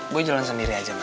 bu jalan sendiri aja ma